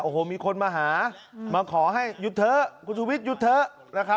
โอ้โหมีคนมาหามาขอให้หยุดเถอะคุณชูวิทย์หยุดเถอะ